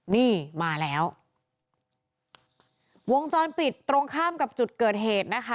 นี่มาแล้ววงจรปิดตรงข้ามกับจุดเกิดเหตุนะคะ